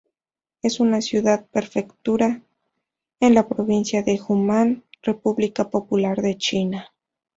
Es una ciudad-prefectura en la provincia de Hunan, República Popular de China.